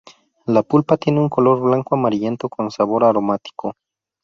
La pulpa tiene un color blanco amarillento con sabor aromático.